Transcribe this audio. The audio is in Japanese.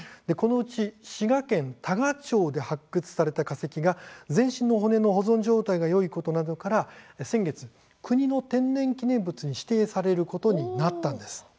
このうち滋賀県多賀町で発掘された化石が全身の骨の保存状態がよいことなどから先月、国の天然記念物に指定されることになったんです。